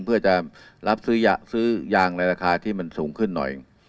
เพื่อจะรับซื้อยางในราคาที่มันสูงขึ้นหน่อย